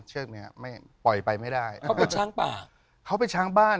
เชือกเนี้ยไม่ปล่อยไปไม่ได้เขาเป็นช้างป่าเขาเป็นช้างบ้าน